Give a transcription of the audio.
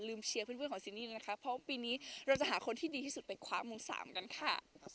เชียร์เพื่อนของซีนี่เลยนะคะเพราะว่าปีนี้เราจะหาคนที่ดีที่สุดไปคว้ามงสามกันค่ะ